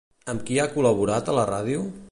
Amb qui ha col·laborat a la ràdio?